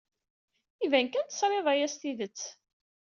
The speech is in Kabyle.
Iban kan tesrid aya s tidet.